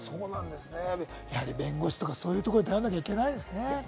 弁護士とか、そういうところに頼らなきゃいけないですね。